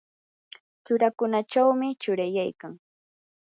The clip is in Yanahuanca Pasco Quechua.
churakunachawmi churayaykan.